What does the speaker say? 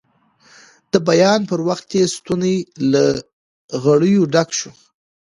د بیان پر وخت یې ستونی له غریو ډک شو.